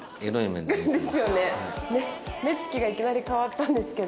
目つきがいきなり変わったんですけど。